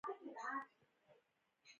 پکار ده چې هره زنانه دا ورزش کوي -